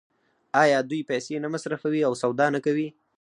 آیا دوی پیسې نه مصرفوي او سودا نه کوي؟